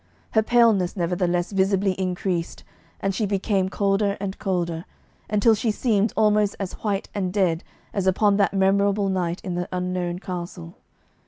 Her paleness, nevertheless, visibly increased, and she became colder and colder, until she seemed almost as white and dead as upon that memorable night in the unknown castle.